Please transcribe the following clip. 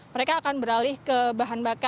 mereka akan beralih ke bahan bakar